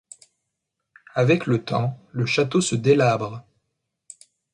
Avec le temps, le château se délabre.